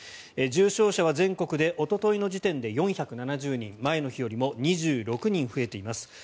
重症者は全国でおとといの時点で４７０人前の日より２６人増えています。